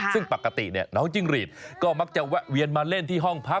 ซึ่งปกติน้องจิ้งหรีดก็มักจะแวะเวียนมาเล่นที่ห้องพัก